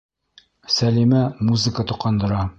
Сәлимә музыка тоҡандыра.